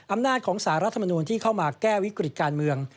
อำนาจของสารรัฐมนูลที่เข้ามาแก้วิกฤติการเมือง